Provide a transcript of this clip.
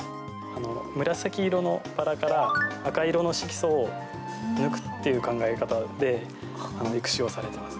紫色のバラから赤色の色素を抜くという考え方で育種をされています。